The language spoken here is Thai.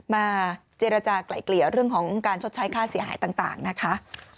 มาเจรจากลายเกลี่ยเรื่องของการชดใช้ค่าเสียหายต่างนะคะ